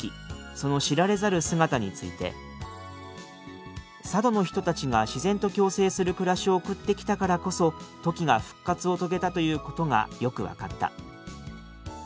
その知られざる姿」について「佐渡の人たちが自然と共生する暮らしを送ってきたからこそトキが復活を遂げたということがよく分かった」